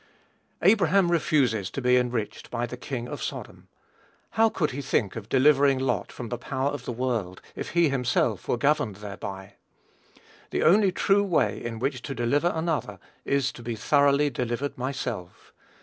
Abraham refuses to be enriched by the king of Sodom. How could he think of delivering Lot from the power of the world, if he himself were governed thereby? The only true way in which to deliver another is to be thoroughly delivered myself.